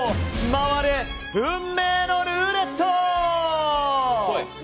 回れ、運命のルーレット！